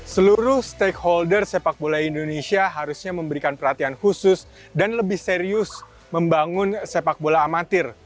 seluruh stakeholder sepak bola indonesia harusnya memberikan perhatian khusus dan lebih serius membangun sepak bola amatir